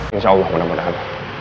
insya allah mudah mudahan